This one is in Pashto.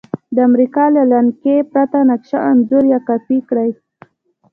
د امریکا له لکنې پرته نقشه انځور یا کاپي کړئ.